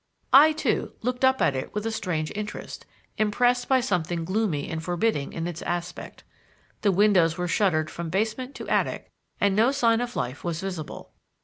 I, too, looked up at it with a strange interest, impressed by something gloomy and forbidding in its aspect. The windows were shuttered from basement to attic, and no sign of life was visible.